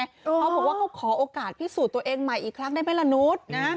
เขาบอกว่าเขาขอโอกาสพิสูจน์ตัวเองใหม่อีกครั้งได้ไหมล่ะนุษย์